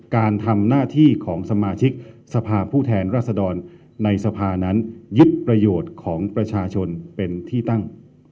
การทำหน้าที่ของสมาชิกสภาพผู้แทนรัศดรในสภานั้นยึดประโยชน์ของประชาชนเป็นที่ตั้ง